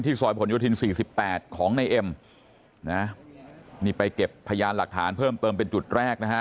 ซอยผลโยธิน๔๘ของในเอ็มนะนี่ไปเก็บพยานหลักฐานเพิ่มเติมเป็นจุดแรกนะฮะ